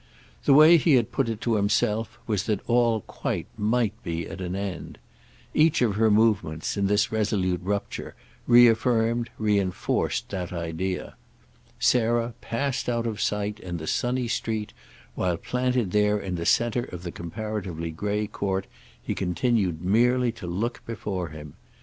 The way he had put it to himself was that all quite might be at an end. Each of her movements, in this resolute rupture, reaffirmed, re enforced that idea. Sarah passed out of sight in the sunny street while, planted there in the centre of the comparatively grey court, he continued merely to look before him.